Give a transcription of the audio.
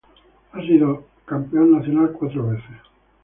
Ha sido cuatro veces campeón nacional.